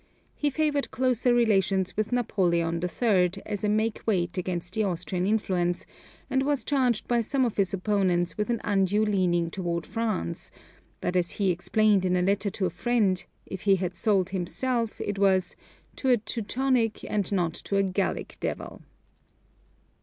He favored closer relations with Napoleon III., as a make weight against the Austrian influence, and was charged by some of his opponents with an undue leaning toward France; but as he explained in a letter to a friend, if he had sold himself, it was "to a Teutonic and not to a Gallic devil."